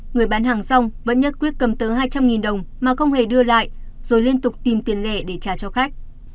người bán hàng xong vẫn nhất quyết cầm tới hai trăm linh đồng mà không hề đưa lại rồi liên tục tìm tiền lẻ để trả cho khách